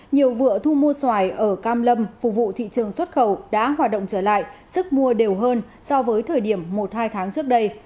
nhiều vựa thu mua xoài ở cam lâm phục vụ thị trường xuất khẩu đã hoạt động trở lại sức mua đều hơn so với thời điểm một hai tháng trước đây